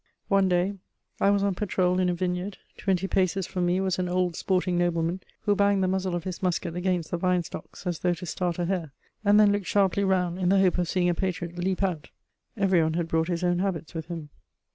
One day, I was on patrol in a vineyard; twenty paces from me was an old sporting nobleman who banged the muzzle of his musket against the vine stocks, as though to start a hare, and then looked sharply round, in the hope of seeing a "patriot" leap out: every one had brought his own habits with him.